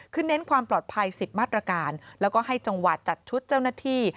ขึ้นเน้นความปลอดภัยสิทธิ์มาตรการและให้จังหวัดจัดชุดเจ้าหน้าที่